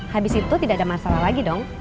habis itu tidak ada masalah lagi dong